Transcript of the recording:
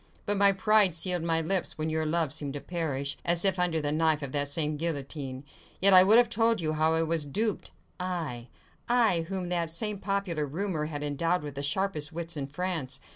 But my pride sealed my lips, when your love seemed to perish, as if under the knife of that same guillotine. Yet I would have told you how I was duped! Aye! I, whom that same popular rumour had endowed with the sharpest wits in France!